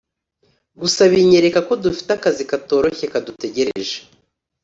Gusa binyereka ko dufite akazi katoroshye kadutegereje